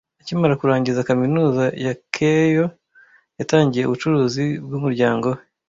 Akimara kurangiza kaminuza ya Keio, yatangiye ubucuruzi bwumuryango we.